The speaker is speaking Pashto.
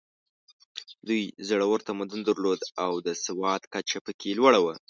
دوی زوړ تمدن درلود او د سواد کچه پکې لوړه وه.